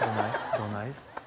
どない？